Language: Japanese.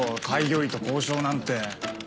開業医と交渉なんて。